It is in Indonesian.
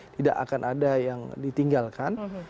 tidak akan ada yang ditinggalkan